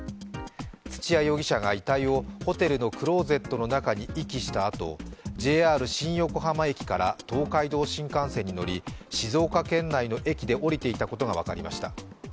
土屋容疑者が遺体をホテルのクローゼットの中に遺棄したあと、ＪＲ新横浜駅から東海道新幹線に乗り、静岡県内の駅で降りていたことが分かりました